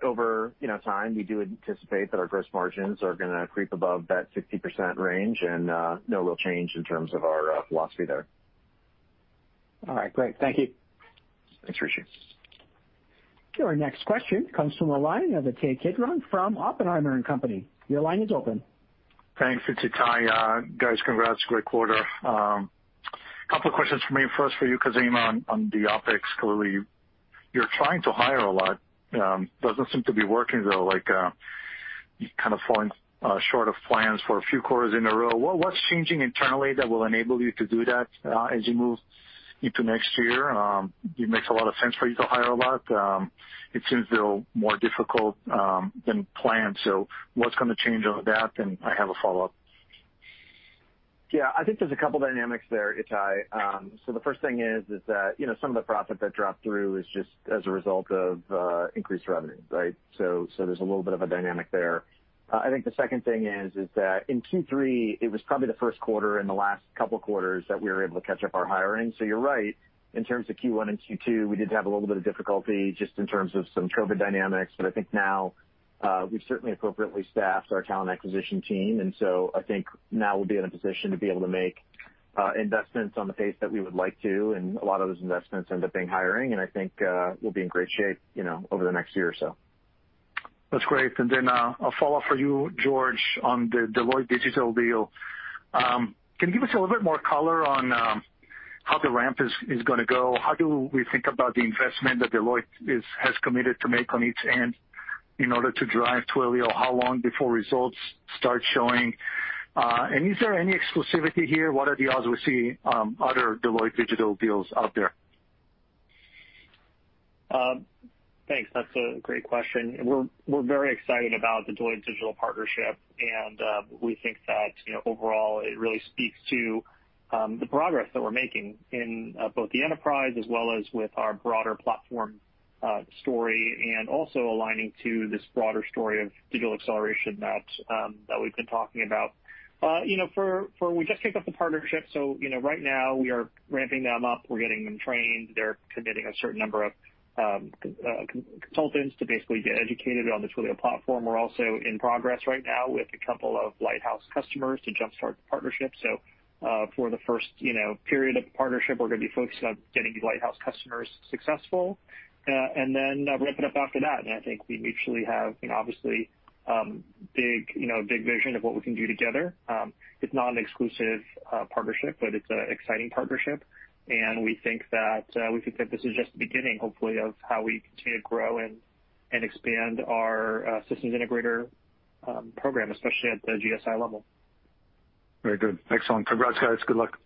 Over time, we do anticipate that our gross margins are going to creep above that 60% range and no real change in terms of our philosophy there. All right, great. Thank you. Thanks, Rishi. Our next question comes from the line of Ittai Kidron from Oppenheimer & Company. Your line is open. Thanks. It's Ittai. Guys, congrats. Great quarter. Couple questions from me. First for you, Khozema, on the OpEx. Clearly, you're trying to hire a lot. Doesn't seem to be working, though. You're kind of falling short of plans for a few quarters in a row. What's changing internally that will enable you to do that as you move into next year? It makes a lot of sense for you to hire a lot. It seems, though, more difficult than planned. What's going to change on that? I have a follow-up. Yeah, I think there's a couple dynamics there, Ittai. The first thing is that some of the profit that dropped through is just as a result of increased revenue, right? There's a little bit of a dynamic there. I think the second thing is that in Q3, it was probably the first quarter in the last couple of quarters that we were able to catch up our hiring. You're right, in terms of Q1 and Q2, we did have a little bit of difficulty just in terms of some COVID-19 dynamics. I think now we've certainly appropriately staffed our talent acquisition team. I think now we'll be in a position to be able to make investments on the pace that we would like to. A lot of those investments end up being hiring. I think we'll be in great shape over the next year or so. That's great. A follow-up for you, George, on the Deloitte Digital deal. Can you give us a little bit more color on how the ramp is going to go? How do we think about the investment that Deloitte has committed to make on its end in order to drive Twilio? How long before results start showing? Is there any exclusivity here? What are the odds we see other Deloitte Digital deals out there? Thanks. That's a great question. We're very excited about the Deloitte Digital partnership, and we think that overall, it really speaks to the progress that we're making in both the enterprise as well as with our broader platform story and also aligning to this broader story of digital acceleration that we've been talking about. We just kicked off the partnership, so right now, we are ramping them up. We're getting them trained. They're committing a certain number of consultants to basically get educated on the Twilio platform. We're also in progress right now with a couple of lighthouse customers to jumpstart the partnership. For the first period of the partnership, we're going to be focused on getting these lighthouse customers successful and then ramp it up after that. I think we mutually have, obviously, a big vision of what we can do together. It's not an exclusive partnership, but it's an exciting partnership, and we think that this is just the beginning, hopefully, of how we continue to grow and expand our systems integrator program, especially at the GSI level. Very good. Excellent. Congrats, guys. Good luck.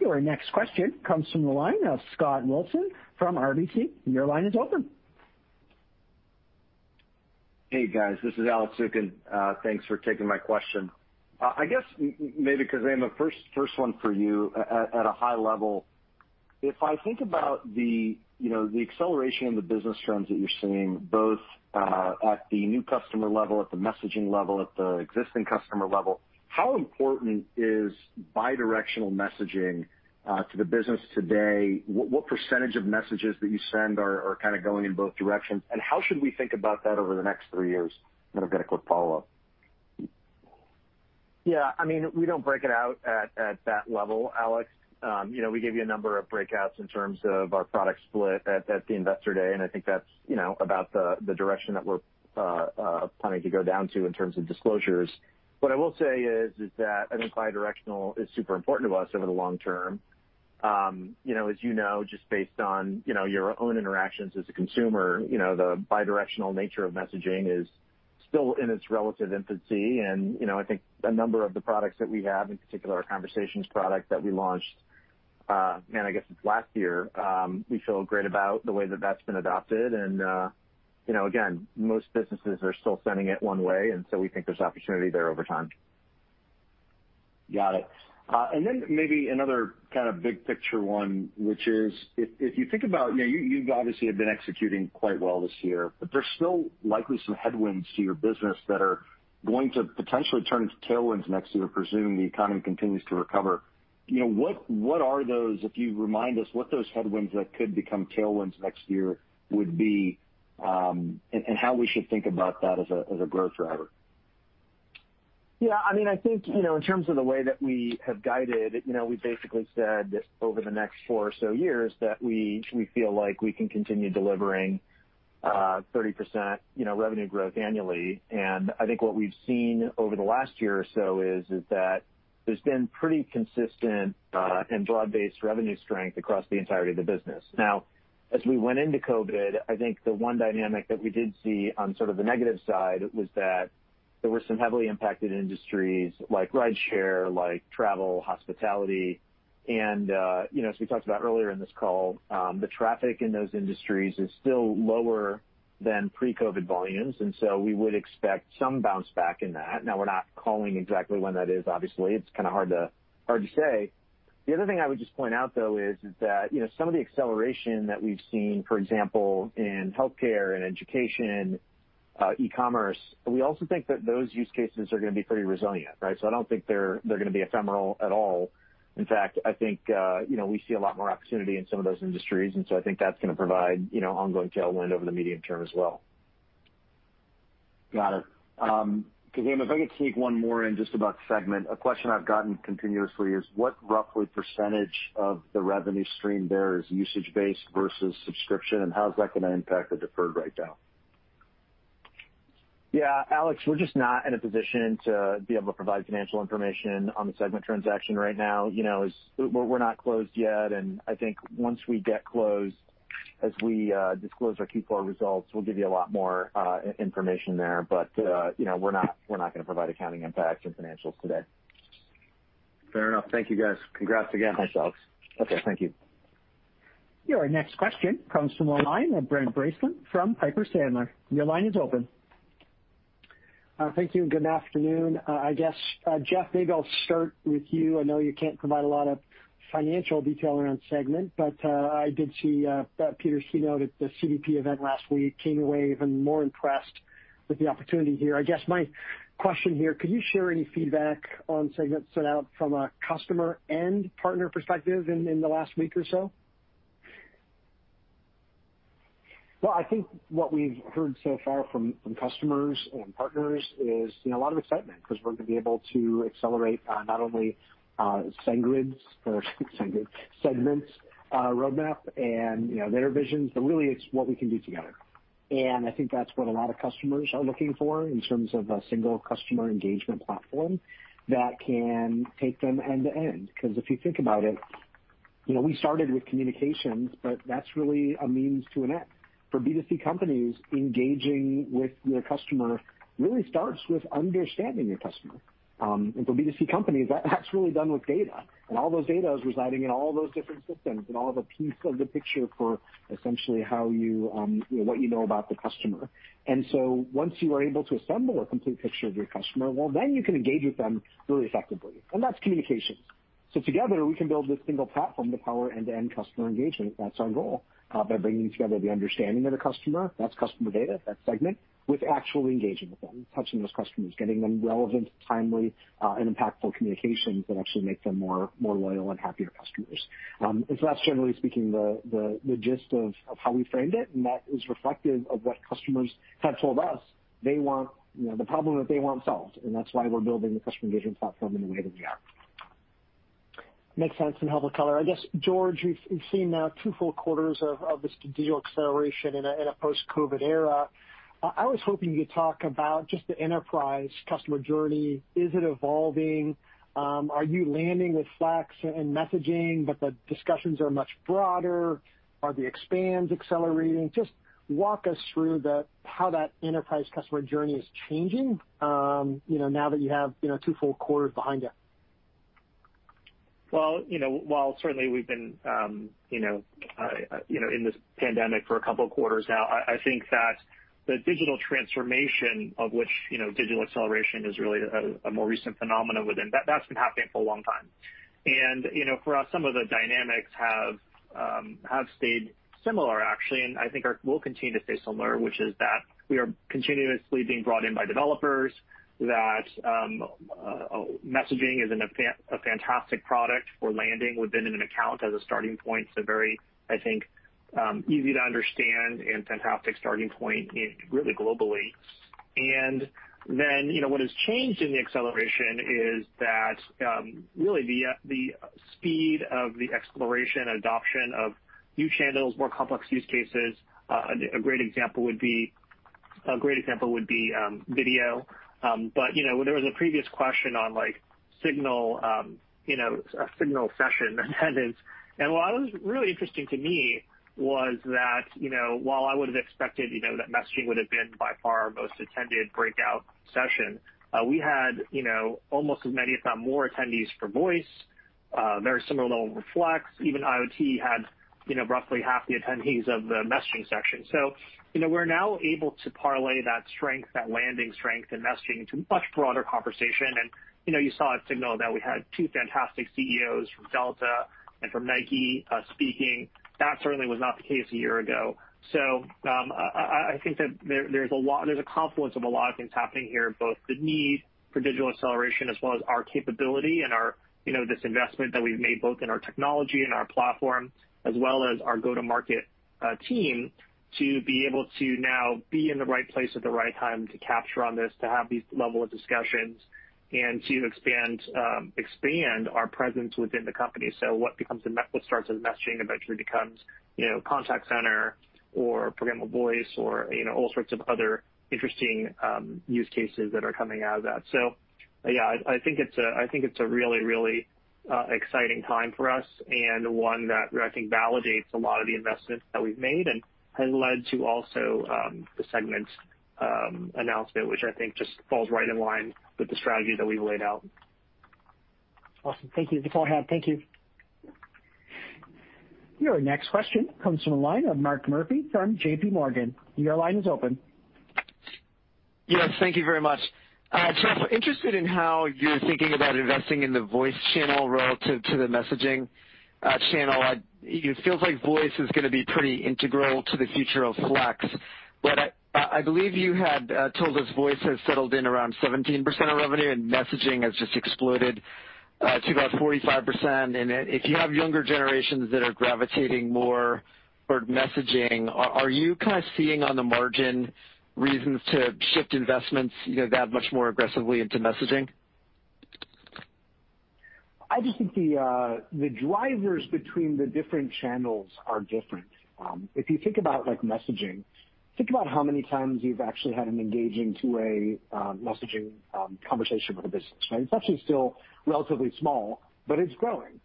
Your next question comes from the line of Scott Milton from RBC. Your line is open. Hey, guys. This is Alex Zukin. Thanks for taking my question. I guess maybe, Khozema, a first one for you. At a high level, if I think about the acceleration in the business trends that you're seeing, both at the new customer level, at the messaging level, at the existing customer level, how important is bi-directional messaging to the business today? What percentage of messages that you send are kind of going in both directions, and how should we think about that over the next three years? I've got a quick follow-up. Yeah. We don't break it out at that level, Alex. We gave you a number of breakouts in terms of our product split at the Investor Day. I think that's about the direction that we're planning to go down to in terms of disclosures. What I will say is that I think bi-directional is super important to us over the long term. As you know, just based on your own interactions as a consumer, the bi-directional nature of messaging is still in its relative infancy. I think a number of the products that we have, in particular our Conversations product that we launched, man, I guess it's last year, we feel great about the way that that's been adopted. Again, most businesses are still sending it one way. We think there's opportunity there over time. Got it. Maybe another kind of big picture one, which is, if you think about it, you obviously have been executing quite well this year. There's still likely some headwinds to your business that are going to potentially turn into tailwinds next year, presuming the economy continues to recover. What are those, if you remind us what those headwinds that could become tailwinds next year would be, and how we should think about that as a growth driver? I think in terms of the way that we have guided, we basically said over the next four or so years that we feel like we can continue delivering 30% revenue growth annually. I think what we've seen over the last year or so is that there's been pretty consistent and broad-based revenue strength across the entirety of the business. Now, as we went into COVID, I think the one dynamic that we did see on sort of the negative side was that there were some heavily impacted industries like rideshare, like travel, hospitality. As we talked about earlier in this call, the traffic in those industries is still lower than pre-COVID volumes, and so we would expect some bounce back in that. Now, we're not calling exactly when that is, obviously. It's kind of hard to say. The other thing I would just point out, though, is that some of the acceleration that we've seen, for example, in healthcare and education, e-commerce, we also think that those use cases are going to be pretty resilient. Right? I don't think they're going to be ephemeral at all. In fact, I think we see a lot more opportunity in some of those industries, I think that's going to provide ongoing tailwind over the medium term as well. Got it. Khozema, if I could sneak one more in just about Segment. A question I've gotten continuously is what roughly percentage of the revenue stream there is usage-based versus subscription, and how is that going to impact the deferred write-down? Yeah. Alex, we're just not in a position to be able to provide financial information on the Segment transaction right now. We're not closed yet. I think once we get closed, as we disclose our Q4 results, we'll give you a lot more information there. We're not going to provide accounting impacts and financials today. Fair enough. Thank you, guys. Congrats again. Thanks, Alex. Okay. Thank you. Your next question comes from the line of Brent Bracelin from Piper Sandler. Your line is open. Thank you. Good afternoon. I guess, Jeff, maybe I'll start with you. I know you can't provide a lot of financial detail around Segment, but I did see Peter's keynote at the CDP event last week. Came away even more impressed with the opportunity here. I guess my question here, could you share any feedback on Segment's sentiment from a customer and partner perspective in the last week or so? Well, I think what we've heard so far from customers and partners is a lot of excitement because we're going to be able to accelerate not only Segment's roadmap and their visions, but really it's what we can do together. I think that's what a lot of customers are looking for in terms of a single customer engagement platform that can take them end to end. If you think about it, we started with communications, but that's really a means to an end. For B2C companies, engaging with your customer really starts with understanding your customer. For B2C companies, that's really done with data, and all those data is residing in all those different systems and all the piece of the picture for essentially what you know about the customer. Once you are able to assemble a complete picture of your customer, well, then you can engage with them really effectively, and that's communications. Together, we can build this single platform to power end-to-end customer engagement. That's our goal. By bringing together the understanding of the customer, that's customer data, that's Segment, with actually engaging with them, touching those customers, getting them relevant, timely, and impactful communications that actually make them more loyal and happier customers. That's generally speaking the gist of how we framed it, and that is reflective of what customers have told us they want, the problem that they want solved, and that's why we're building the customer engagement platform in the way that we are. Makes sense and helpful color. I guess, George, we've seen now two full quarters of this digital acceleration in a post-COVID era. I was hoping you'd talk about just the enterprise customer journey. Is it evolving? Are you landing with Flex in messaging, but the discussions are much broader? Are the expands accelerating? Just walk us through how that enterprise customer journey is changing now that you have two full quarters behind you. Well, while certainly we've been in this pandemic for a couple of quarters now, I think that the digital transformation of which digital acceleration is really a more recent phenomenon within, that's been happening for a long time. For us, some of the dynamics have stayed similar actually, and I think will continue to stay similar, which is that we are continuously being brought in by developers, that messaging is a fantastic product for landing within an account as a starting point. It's a very easy-to-understand and fantastic starting point really globally. What has changed in the acceleration is that really the speed of the exploration and adoption of new channels, more complex use cases. A great example would be video. There was a previous question on SIGNAL session attendance, what was really interesting to me was that, while I would've expected that messaging would've been by far our most attended breakout session, we had almost as many, if not more attendees for voice. A very similar level with Flex. Even IoT had roughly half the attendees of the messaging section. We're now able to parlay that strength, that landing strength in messaging, into much broader conversation. You saw at SIGNAL that we had two fantastic CEOs from Delta and from Nike speaking. That certainly was not the case a year ago. I think that there's a confluence of a lot of things happening here, both the need for digital acceleration as well as our capability and this investment that we've made both in our technology and our platform, as well as our go-to-market team to be able to now be in the right place at the right time to capture on this, to have these level of discussions, and to expand our presence within the company. What starts as messaging eventually becomes contact center or Programmable Voice or all sorts of other interesting use cases that are coming out of that. Yeah, I think it's a really exciting time for us and one that I think validates a lot of the investments that we've made and has led to also the Segment's announcement, which I think just falls right in line with the strategy that we've laid out. Awesome. Thank you. That's all I have. Thank you. Your next question comes from the line of Mark Murphy from JPMorgan. Your line is open. Yes, thank you very much. Jeff, interested in how you're thinking about investing in the voice channel relative to the messaging channel. It feels like voice is going to be pretty integral to the future of Flex, I believe you had told us voice has settled in around 17% of revenue, and messaging has just exploded to about 45%. If you have younger generations that are gravitating more toward messaging, are you kind of seeing on the margin reasons to shift investments that much more aggressively into messaging? I just think the drivers between the different channels are different. If you think about messaging, think about how many times you've actually had an engaging two-way messaging conversation with a business, right? It's actually still relatively small, but it's growing.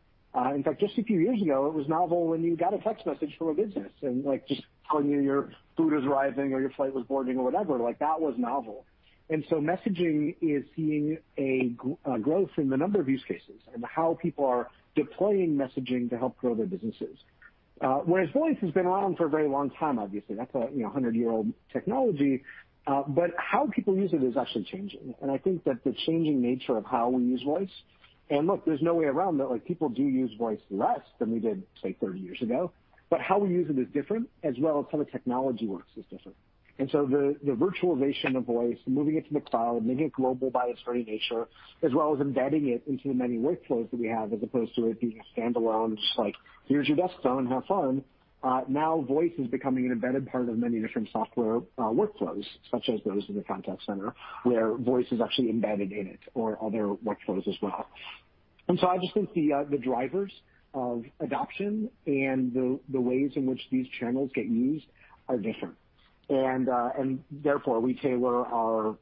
In fact, just a few years ago, it was novel when you got a text message from a business, and just telling you your food is arriving or your flight was boarding or whatever. Like that was novel. Messaging is seeing a growth in the number of use cases and how people are deploying messaging to help grow their businesses. Whereas voice has been around for a very long time, obviously. That's a 100-year-old technology. How people use it is actually changing, and I think that the changing nature of how we use voice, and look, there's no way around that people do use voice less than we did, say, 30 years ago. How we use it is different, as well as how the technology works is different. The virtualization of voice, moving it to the cloud, making it global by its very nature, as well as embedding it into the many workflows that we have, as opposed to it being a standalone, just like, "Here's your desktop and have fun." Now voice is becoming an embedded part of many different software workflows, such as those in the contact center, where voice is actually embedded in it or other workflows as well. I just think the drivers of adoption and the ways in which these channels get used are different. Therefore, we tailor our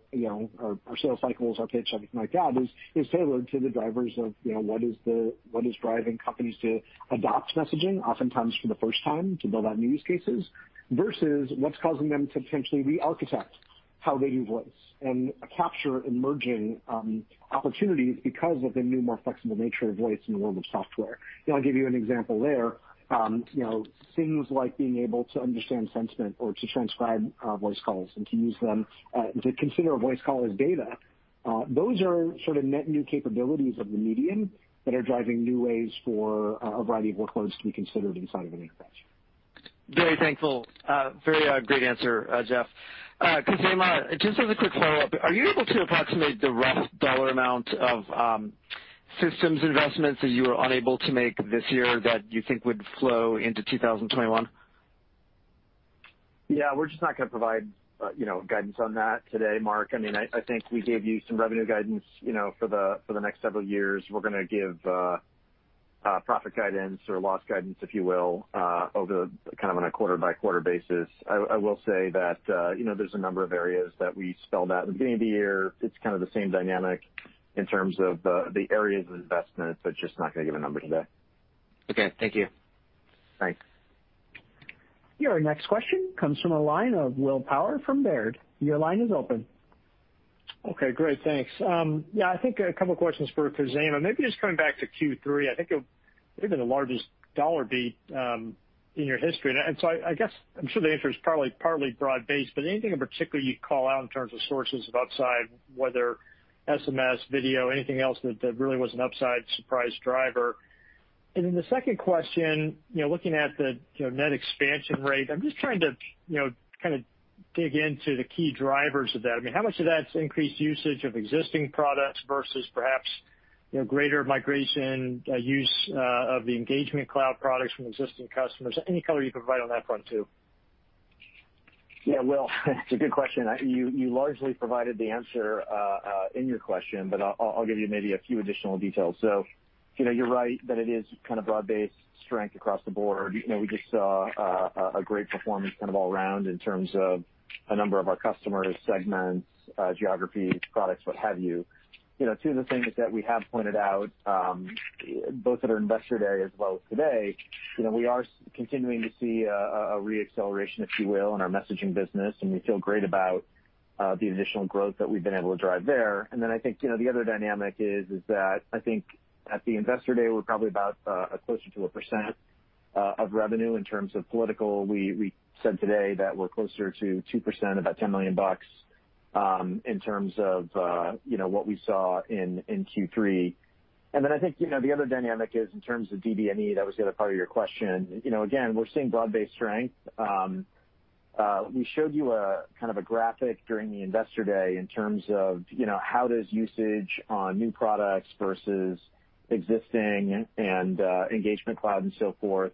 sales cycles, our pitch, everything like that is tailored to the drivers of what is driving companies to adopt messaging, oftentimes for the first time, to build out new use cases, versus what's causing them to potentially re-architect how they do voice and capture emerging opportunities because of the new, more flexible nature of voice in the world of software. I'll give you an example there. Things like being able to understand sentiment or to transcribe voice calls and to use them to consider a voice call as data. Those are sort of net new capabilities of the medium that are driving new ways for a variety of workloads to be considered inside of an infrastructure. Very thankful. Very great answer, Jeff. Khozema, just as a quick follow-up, are you able to approximate the rough dollar amount of systems investments that you were unable to make this year that you think would flow into 2021? Yeah, we're just not going to provide guidance on that today, Mark. I think we gave you some revenue guidance for the next several years. We're going to give profit guidance or loss guidance, if you will, over kind of on a quarter-by-quarter basis. I will say that there's a number of areas that we spelled out in the beginning of the year. It's kind of the same dynamic in terms of the areas of investment, but just not going to give a number today. Okay. Thank you. Thanks. Your next question comes from the line of Will Power from Baird. Your line is open. Okay, great. Thanks. Yeah, I think a couple of questions for Khozema. Maybe just coming back to Q3, I think maybe the largest $ beat in your history. I'm sure the answer is probably partly broad-based, but anything in particular you'd call out in terms of sources of upside, whether SMS, video, anything else that really was an upside surprise driver? The second question, looking at the net expansion rate, I'm just trying to kind of dig into the key drivers of that. How much of that's increased usage of existing products versus perhaps greater migration use of the Engagement Cloud products from existing customers? Any color you can provide on that front, too. Yeah, Will, it's a good question. You largely provided the answer in your question, I'll give you maybe a few additional details. You're right that it is kind of broad-based strength across the board. We just saw a great performance kind of all around in terms of a number of our customers, segments, geographies, products, what have you. Two of the things that we have pointed out, both at our Investor Day as well as today, we are continuing to see a re-acceleration, if you will, in our messaging business, and we feel great about the additional growth that we've been able to drive there. I think, the other dynamic is that I think at the Investor Day, we're probably about closer to 1% of revenue in terms of political. We said today that we're closer to 2%, about $10 million, in terms of what we saw in Q3. Then I think, the other dynamic is in terms of DBNE, that was the other part of your question. Again, we're seeing broad-based strength. We showed you a kind of a graphic during the Investor Day in terms of how does usage on new products versus existing and Engagement Cloud and so forth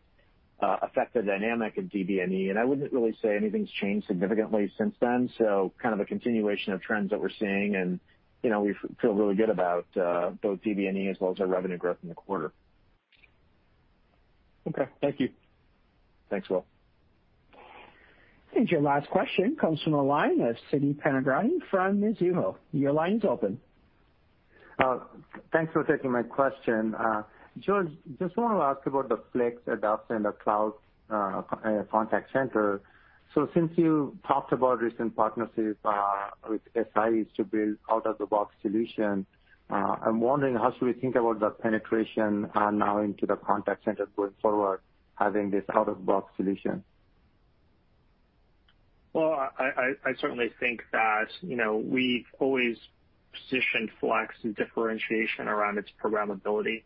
affect the dynamic of DBNE, and I wouldn't really say anything's changed significantly since then. Kind of a continuation of trends that we're seeing, and we feel really good about both DBNE as well as our revenue growth in the quarter. Okay. Thank you. Thanks, Will. I think your last question comes from the line of Siti Panigrahi from Mizuho. Your line is open. Thanks for taking my question. George, just want to ask about the Flex adoption, the cloud contact center. Since you talked about recent partnerships with SIs to build out-of-the-box solution, I'm wondering how should we think about that penetration now into the contact center going forward, having this out-of-the-box solution? Well, I certainly think that we've always positioned Flex and differentiation around its programmability,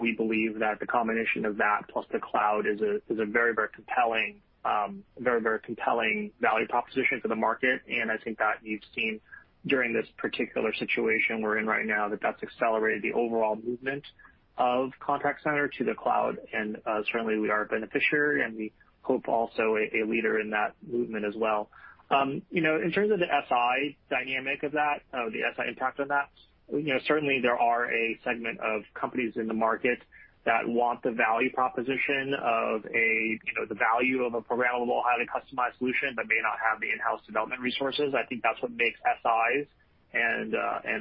we believe that the combination of that plus the cloud is a very, very compelling value proposition for the market. I think that you've seen during this particular situation we're in right now that that's accelerated the overall movement of contact center to the cloud, and certainly we are a beneficiary and we hope also a leader in that movement as well. In terms of the SI dynamic of that, the SI impact on that, certainly there are a segment of companies in the market that want the value proposition of the value of a programmable, highly customized solution but may not have the in-house development resources. I think that's what makes SIs and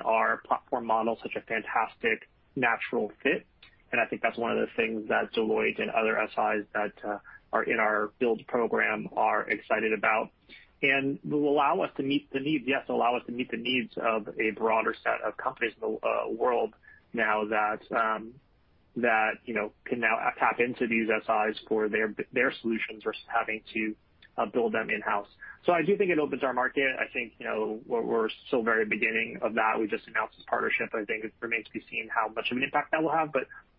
our platform model such a fantastic natural fit, and I think that's one of the things that Deloitte and other SIs that are in our Twilio Build partner program are excited about. Will allow us to meet the needs, yes, allow us to meet the needs of a broader set of companies in the world now that can now tap into these SIs for their solutions versus having to build them in-house. I do think it opens our market. I think we're still very beginning of that. We just announced this partnership. I think it remains to be seen how much of an impact that will have.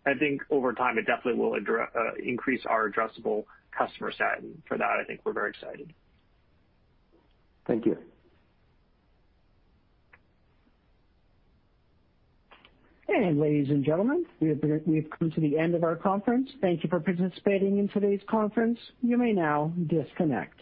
I think over time, it definitely will increase our addressable customer set, and for that, I think we're very excited. Thank you. Ladies and gentlemen, we have come to the end of our conference. Thank you for participating in today's conference. You may now disconnect.